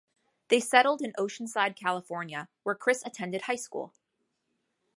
They settled in Oceanside, California, where Chris attended high school.